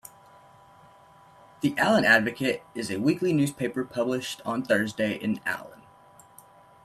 The "Allen Advocate" is a weekly newspaper published on Thursday in Allen.